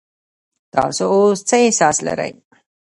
تاسو اوس څه احساس لرئ؟